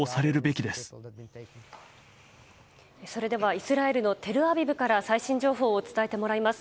イスラエルのテルアビブから最新情報を伝えてもらいます。